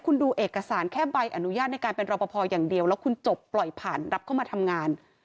คุณดูเอกสารแค่ใบอนุญาตในการเป็นรอปภอย่างเดียวแล้วคุณจบปล่อยผ่านรับเข้ามาทำงาน